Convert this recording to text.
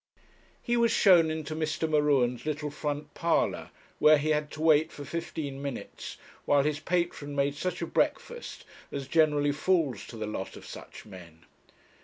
He was shown into Mr. M'Ruen's little front parlour, where he had to wait for fifteen minutes, while his patron made such a breakfast as generally falls to the lot of such men.